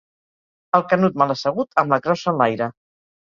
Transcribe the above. El Canut mal assegut, amb la crossa enlaire.